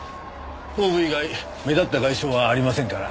頭部以外目立った外傷はありませんから。